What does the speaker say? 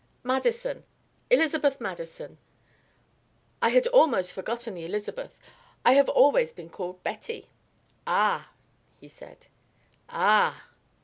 "Madison Elizabeth Madison. I had almost forgotten the Elizabeth. I have always been called Betty." "Ah!" he said, "ah!"